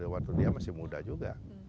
waktu dia masih muda juga